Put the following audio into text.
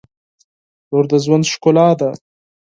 • لور د ژوند ښکلا ده.